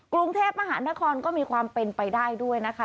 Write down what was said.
กรุงเทพมหานครก็มีความเป็นไปได้ด้วยนะคะ